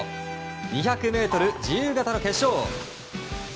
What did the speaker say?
２００ｍ自由形の決勝。